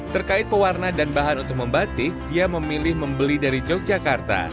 terkait pewarna dan bahan untuk membatik dia memilih membeli dari yogyakarta